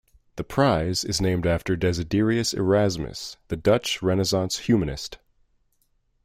The prize is named after Desiderius Erasmus, the Dutch Renaissance humanist.